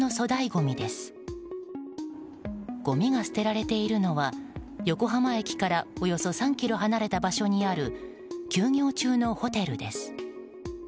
ごみが捨てられているのは横浜駅からおよそ３ｋｍ離れた場所にある休業中のホテルです。